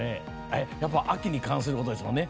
秋に関することですもんね